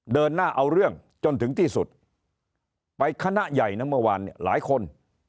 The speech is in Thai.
เดินหน้าเอาเรื่องจนถึงที่สุดไปคณะใหญ่นะเมื่อวานเนี่ยหลายคน